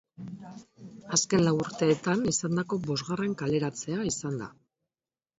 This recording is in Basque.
Azken lau urteetan izandako bosgarren kaleratzea izan da.